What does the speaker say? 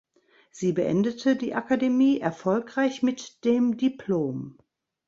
Sie beendete die Akademie erfolgreich mit dem Diplom.